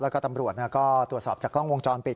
แล้วก็ตำรวจก็ตรวจสอบจากกล้องวงจรปิด